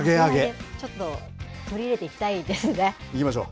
ちょっと、取り入れていきたいきましょう。